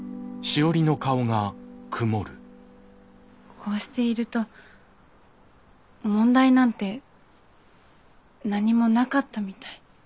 こうしていると問題なんて何もなかったみたい。